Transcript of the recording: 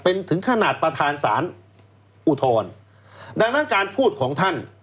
เป็นถึงขนาดประธานสารอุทธรณ์ดังนั้นการพูดของท่าน